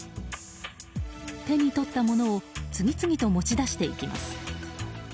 手に取ったものを次々と持ち出していきます。